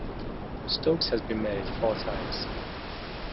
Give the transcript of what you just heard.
Stokes has been married four times.